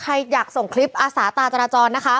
ใครอยากส่งคลิปอาสาตาจราจรนะคะ